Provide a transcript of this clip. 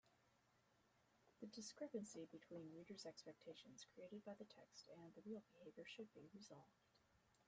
The discrepancy between reader’s expectations created by the text and the real behaviour should be resolved.